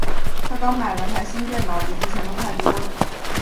她刚买了台新电脑，比之前的快多了。